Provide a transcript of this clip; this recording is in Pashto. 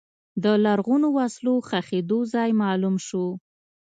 د لرغونو وسلو ښخېدو ځای معلوم شو.